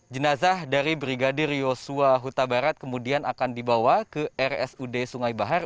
jenazah dari brigadir yosua huta barat kemudian akan dibawa ke rsud sungai bahar